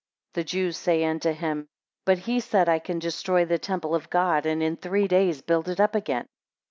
2 The Jews say unto him, But he said, I can destroy the temple of God, and in three days build it up again.